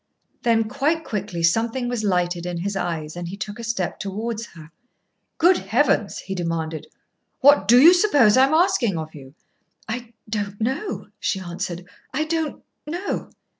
Then, quite quickly, something was lighted in his eyes, and he took a step toward her. "Good heavens!" he demanded. "What do you suppose I am asking of you?" "I don't know," she answered; "I don't know."